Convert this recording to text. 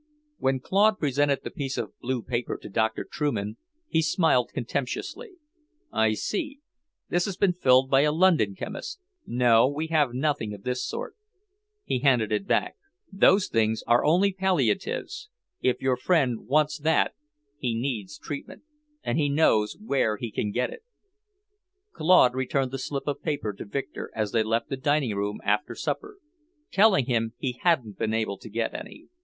When Claude presented the piece of blue paper to Doctor Trueman, he smiled contemptuously. "I see; this has been filled by a London chemist. No, we have nothing of this sort." He handed it back. "Those things are only palliatives. If your friend wants that, he needs treatment, and he knows where he can get it." Claude returned the slip of paper to Victor as they left the dining room after supper, telling him he hadn't been able to get any.